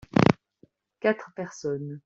quatre personnes.